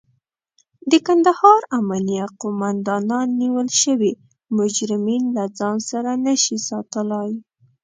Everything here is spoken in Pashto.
د کندهار امنيه قوماندان نيول شوي مجرمين له ځان سره نشي ساتلای.